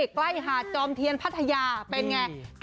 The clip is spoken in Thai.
ใกล้หาดจอมเทียนพัทยาเป็นไง